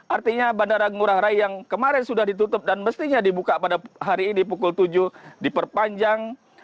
artinya bandara ngurah rai yang kemarin sudah ditutup dan mestinya dibuka pada hari ini pukul tujuh diperpanjang